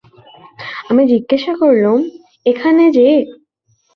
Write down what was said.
আমি জিজ্ঞাসা করলুম, এখানে যে?